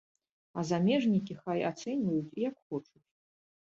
А замежнікі хай ацэньваюць, як хочуць.